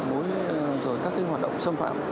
mối rồi các hoạt động xâm phạm